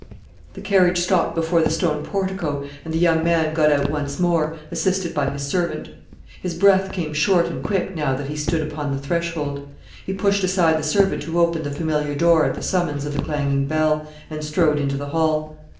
The carriage stopped before the stone portico, and the young man got out once more, assisted by his servant. His breath came short and quick now that he stood upon the threshold. He pushed aside the servant who opened the familiar door at the summons of the clanging bell, and strode into the hall.